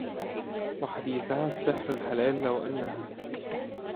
وحديثها السحر الحلال لو انها